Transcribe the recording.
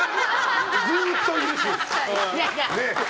ずっといるし。